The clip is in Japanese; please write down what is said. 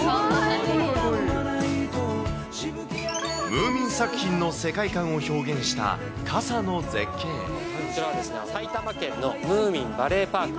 ムーミン作品の世界観を表現こちら、埼玉県のムーミンバレーパーク。